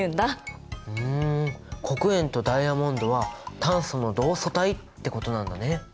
ふん黒鉛とダイヤモンドは炭素の同素体ってことなんだね。